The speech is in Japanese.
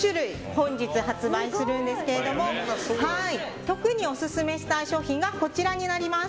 本日発売するんですが特にオススメしたい商品がこちらになります。